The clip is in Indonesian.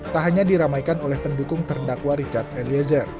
tak hanya diramaikan oleh pendukung terdakwa richard eliezer